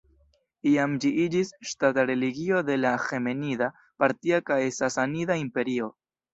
Iam ĝi iĝis ŝtata religio de la Aĥemenida, Partia kaj Sasanida Imperio.